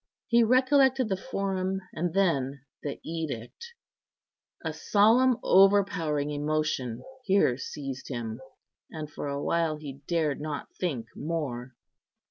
He recollected the Forum, and then the edict; a solemn, overpowering emotion here seized him, and for a while he dared not think more.